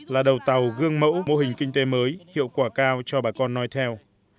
là đầu tàu gương mẫu mô hình kinh tế mới hiệu quả cao cho bà con nói theo